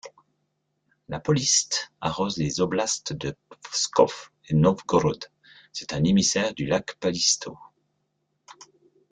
La Polist arrose les oblasts de Pskov et Novgorod.C'est un émissaire du lac Polisto.